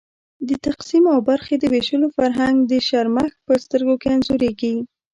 د تقسیم او برخې د وېشلو فرهنګ د شرمښ په سترګو کې انځورېږي.